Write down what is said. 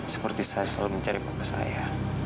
seperti saya selalu mencari bapak saya